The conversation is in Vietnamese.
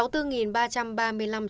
sáu mươi bốn ba trăm ba mươi bảy trường hợp